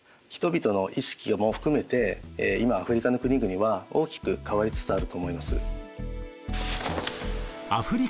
人々の意識も含めて今アフリカの国々は大きく変わりつつあると思います。